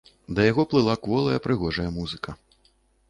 Да яго плыла кволая прыгожая музыка.